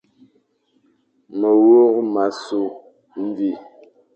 Mewur ma sukh mvi,